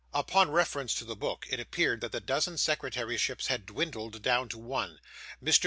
Upon reference to the book, it appeared that the dozen secretaryships had dwindled down to one. Mr.